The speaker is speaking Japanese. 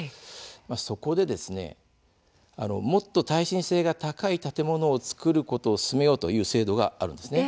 そこで、もっと耐震性が高い建物を造ることを進めようという制度があるんです。